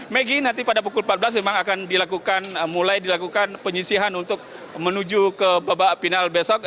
megi nanti pada pukul empat belas memang akan dilakukan mulai dilakukan penyisihan untuk menuju ke babak final besok